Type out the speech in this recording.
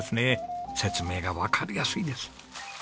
説明がわかりやすいです。